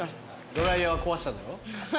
ドライヤー壊したんだろ？